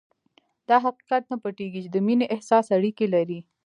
دا حقيقت نه پټېږي چې د مينې احساس اړيکې لري.